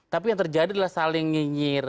tapi yang terjadi adalah saling nyinyir